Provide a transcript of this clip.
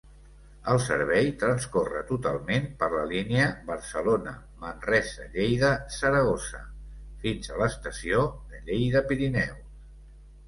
El servei transcorre totalment per la línia Barcelona-Manresa-Lleida-Saragossa fins a l'estació de Lleida Pirineus.